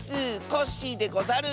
コッシーでござる！